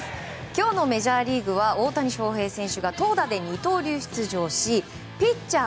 今日のメジャーリーグは大谷翔平選手が投打で二刀流出場しピッチャー